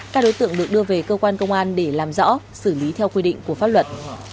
các đối tượng được đưa về cơ quan công an để làm rõ xử lý theo quy định của pháp luật